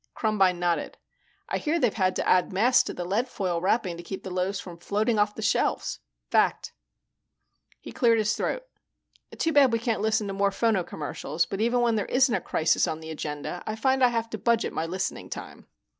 Krumbine nodded. "I hear they've had to add mass to the leadfoil wrapping to keep the loaves from floating off the shelves. Fact." He cleared his throat. "Too bad we can't listen to more phono commercials, but even when there isn't a crisis on the agenda, I find I have to budget my listening time.